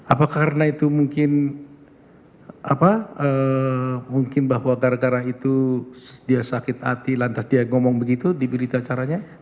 apa karena itu mungkin bahwa gara gara itu dia sakit hati lantas dia ngomong begitu di berita acaranya